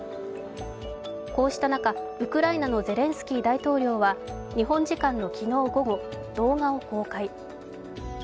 こうした中、ウクライナのゼレンスキー大統領は日本時間の昨日午後、動画を公開。